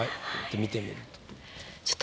見てみると。